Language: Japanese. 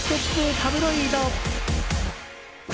タブロイド。